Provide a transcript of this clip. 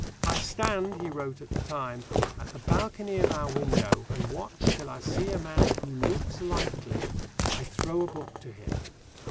"I stand," he wrote at the time, "at the balcony of our window, and watch till I see a man who looks likely; I throw a book to him."